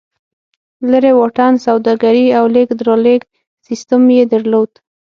لرې واټن سوداګري او لېږد رالېږد سیستم یې درلود.